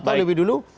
tahu lebih dulu